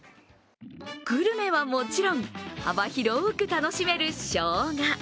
グルメはもちろん、幅広く楽しめるしょうが。